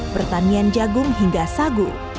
pertanian jagung hingga sagu